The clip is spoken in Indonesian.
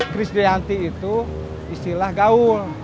chris dayanti itu istilah gaul